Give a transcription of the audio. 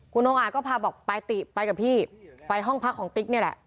คุณองค์อาจก็พาบอกไปติไปกับพี่ไปห้องพักของติ๊กนี่แหละ